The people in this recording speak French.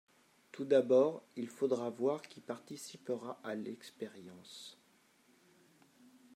tout d'abord il faudra voir qui participera à l'expérience.